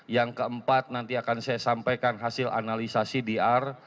yang keempat nanti akan saya sampaikan hasil analisasi dr